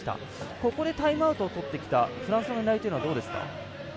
ここでタイムアウトをとってきたフランスの狙いというのはどうですか？